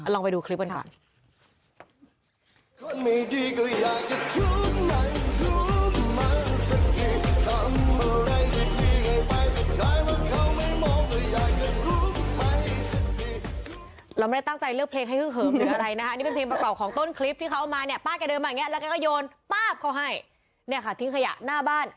ลองไปดูคลิปก่อนก่อน